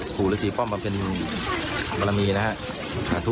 ปู่รือศรีป้อมมาเป็นมรมีนะครับ